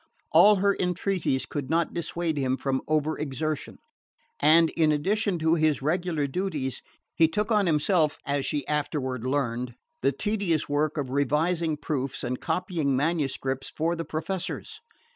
All her entreaties could not dissuade him from over exertion; and in addition to his regular duties he took on himself (as she afterward learned) the tedious work of revising proofs and copying manuscripts for the professors.